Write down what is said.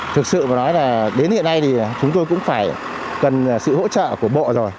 thực sự mà nói là đến hiện nay thì chúng tôi cũng phải cần sự hỗ trợ của bộ rồi